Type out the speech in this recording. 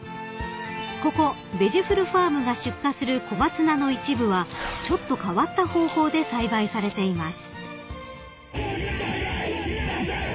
［ここベジフルファームが出荷するコマツナの一部はちょっと変わった方法で栽培されています］